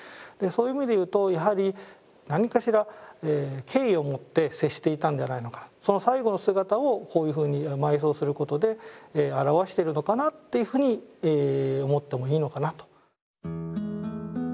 そういう意味で言うとやはり何かしら敬意を持って接していたんじゃないのかその最後の姿をこういうふうに埋葬することで表しているのかなっていうふうに思ってもいいのかなと。